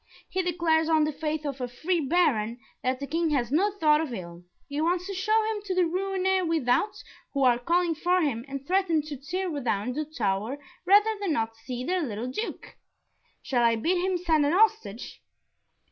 He declares on the faith of a free Baron, that the King has no thought of ill he wants to show him to the Rouennais without, who are calling for him, and threaten to tear down the tower rather than not see their little Duke. Shall I bid him send a hostage?"